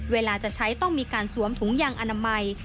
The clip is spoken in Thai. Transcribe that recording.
เวลาจะใช้ต้องมีการสวมถุงยางอนามัย